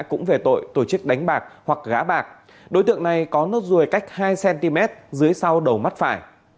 cũng về tội tổ chức đánh bạc hoặc gá bạc đối tượng này có nốt ruồi cách hai cm dưới sau đầu mắt phải